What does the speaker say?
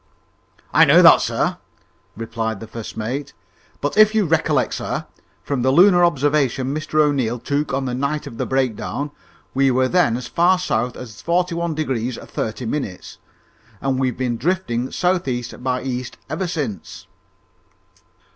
"I know that, sir," replied the first mate; "but if you recollect, sir, from the lunar observation Mr O'Neil took on the night of the breakdown, we were then as far south as 41° 30 minutes, and we've been drifting south east by east ever since."